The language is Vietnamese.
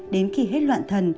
đến khi hết loạn thần